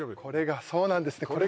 これがそうなんですね